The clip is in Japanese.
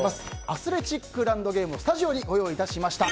アスレチックランドゲームをスタジオにご用意いたしました。